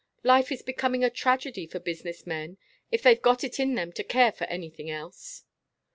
Life is becoming a tragedy for business men if they've got it in them to care for anything else."